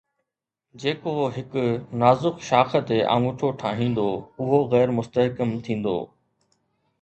جيڪو هڪ نازڪ شاخ تي آڱوٺو ٺاهيندو، اهو غير مستحڪم ٿيندو